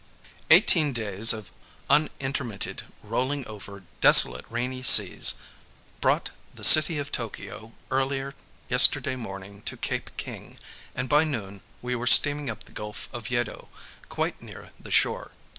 EIGHTEEN days of unintermitted rolling over "desolate rainy seas" brought the "City of Tokio" early yesterday morning to Cape King, and by noon we were steaming up the Gulf of Yedo, quite near the shore.